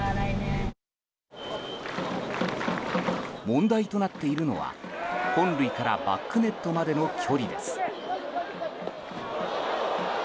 問題となっているのは本塁からバックネットまでの距離です。